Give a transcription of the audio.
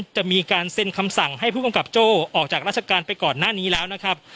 จะมีการเซ็นคำสั่งให้ผู้กำกับโจ้ออกจากราชการไปก่อนหน้านี้แล้วนะครับ